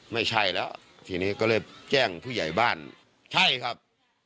ไม่ใช่แล้วทีนี้ก็เลยแจ้งผู้ใหญ่บ้านใช่ครับ